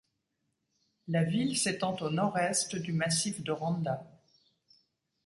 La ville s'étend au nord-est du massif de Randa.